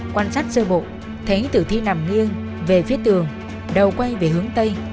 quan sát sơ bộ thấy tử thi nằm nghiêng về phía tường đầu quay về hướng tây